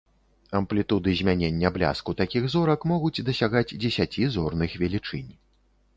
Амплітуды змянення бляску такіх зорак могуць дасягаць дзесяці зорных велічынь.